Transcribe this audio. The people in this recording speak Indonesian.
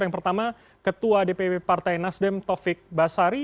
yang pertama ketua dpp partai nasdem taufik basari